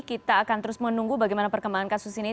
kita akan terus menunggu bagaimana perkembangan kasus ini